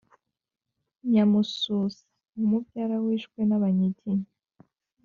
Nyamususa, Umubyara yishwe nabanyiginya,